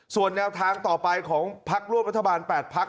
ส่วนแนวทางต่อไปของพักร่วมรัฐบาล๘พัก